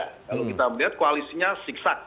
kalau kita melihat koalisinya siksak